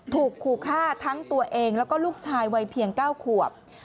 ถูกขู่ฆ่าทั้งตัวเองแล้วก็ลูกชายวัยเพียง๙ขวบ